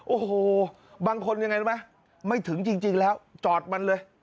โอ้โหบางคนยังไงรู้ไหมไม่ถึงจริงแล้วจอดมันเลย